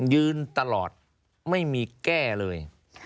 ยืนตลอดไม่มีแก้เลย